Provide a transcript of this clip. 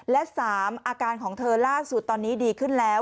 และ๓อาการของเธอล่าสุดตอนนี้ดีขึ้นแล้ว